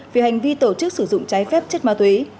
vì hành vi tổ chức sử dụng trái phép chất ma túy